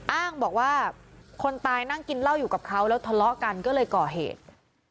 อ้างบอกว่าคนตายนั่งกินเหล้าอยู่กับเขาแล้วทะเลาะกันก็เลยก่อเหตุ